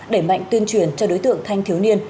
đẩy mạnh tuyên truyền cho đối tượng thanh thiếu niên